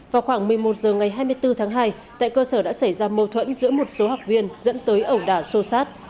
vào khoảng một mươi một h ngày hai mươi bốn tháng hai tại cơ sở đã xảy ra mâu thuẫn giữa một số học viên dẫn tới ẩu đả sô sát